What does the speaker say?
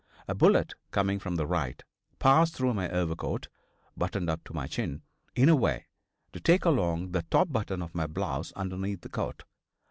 A bullet, coming from the right, passed through my overcoat, buttoned up to my chin, in a way to take along the top button of my blouse underneath the coat.